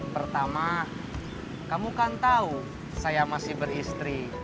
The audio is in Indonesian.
pertama kamu kan tahu saya masih beristri